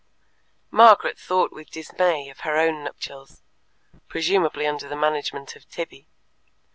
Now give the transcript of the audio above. Margaret thought with dismay of her own nuptials presumably under the management of Tibby.